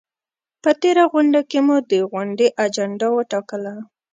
په تېره غونډه کې مو د غونډې اجنډا وټاکله؟